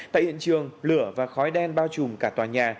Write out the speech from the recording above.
tại hiện trường lửa và khói đen bao trùm cả tòa nhà